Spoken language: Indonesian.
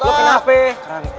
lo kenapa lo kena hp